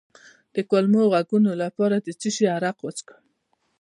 د کولمو د غږونو لپاره د څه شي عرق وڅښم؟